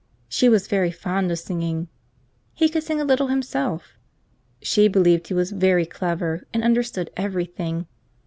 She was very fond of singing. He could sing a little himself. She believed he was very clever, and understood every thing.